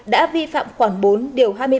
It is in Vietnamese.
đã vi phạm khoảng bốn điều hai mươi ba